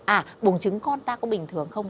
à bùng trứng con ta có bình thường không